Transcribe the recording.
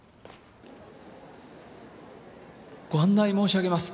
ご案内申し上げます。